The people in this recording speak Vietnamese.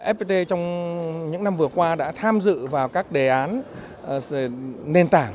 fpt trong những năm vừa qua đã tham dự vào các đề án nền tảng